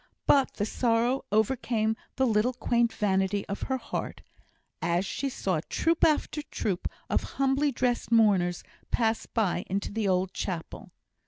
But the sorrow overcame the little quaint vanity of her heart, as she saw troop after troop of humbly dressed mourners pass by into the old chapel.